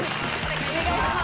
お願いします